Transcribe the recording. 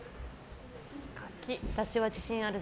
私は自信あるぞ。